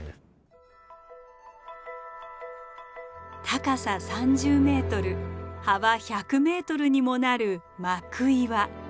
高さ３０ｍ幅１００ｍにもなる幕岩。